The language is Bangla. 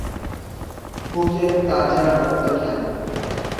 বুকের তাজা রক্ত ঢালে